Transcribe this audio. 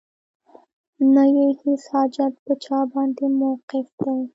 نه یې هیڅ حاجت په چا باندې موقوف دی